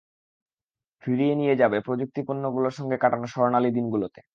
ফিরিয়ে নিয়ে যাবে প্রযুক্তিপণ্যগুলোর সঙ্গে কাটানো স্বর্ণালি দিনগুলোতে।